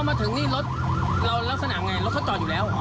ระหว่างรอบอยู่ใช่ไหม